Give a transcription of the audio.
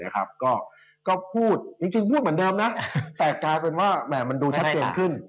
ก็พูดจริงพูดเหมือนเดิมนะแต่กลายเป็นว่ามันดูชัดเจนขึ้น